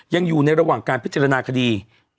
ยังอยู่ในระหว่างการพิจารณาคดี